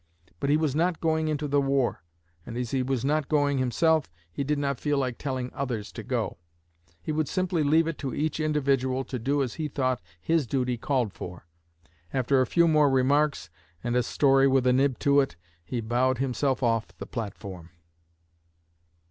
But he was not going into the war; and as he was not going himself, he did not feel like telling others to go. He would simply leave it to each individual to do as he thought his duty called for. After a few more remarks, and a story 'with a nib to it,' he bowed himself off the platform.